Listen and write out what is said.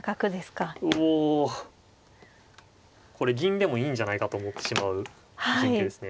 これ銀でもいいんじゃないかと思ってしまう陣形ですね。